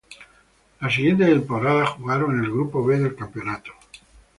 La siguiente temporada jugaron en el Grupo B del campeonato.